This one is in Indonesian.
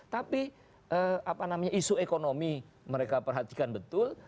tapi apa namanya isu ekonomi mereka perhatikan betul